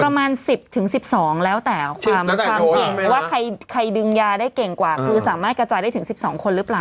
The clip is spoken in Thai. ประมาณ๑๐๑๒แล้วแต่ความเก่งว่าใครดึงยาได้เก่งกว่าคือสามารถกระจายได้ถึง๑๒คนหรือเปล่า